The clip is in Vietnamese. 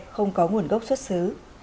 không có nguồn gốc xuất xứ